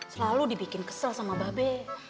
selalu dibikin kesel sama babe